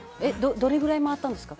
どれぐらい回ったんですか？